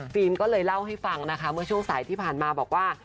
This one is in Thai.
ก็เลยเล่าให้ฟังนะคะเมื่อช่วงสายที่ผ่านมาบอกว่า